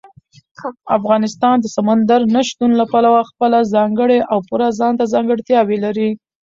افغانستان د سمندر نه شتون له پلوه خپله ځانګړې او پوره ځانته ځانګړتیاوې لري.